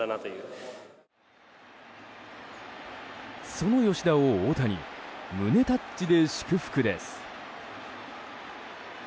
その吉田を大谷胸タッチで祝福です。